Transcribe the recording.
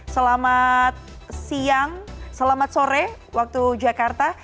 selamat siang selamat sore waktu jakarta